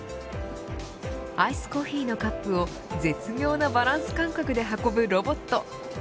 アイスコーヒーのカップを絶妙なバランス感覚で運ぶロボット。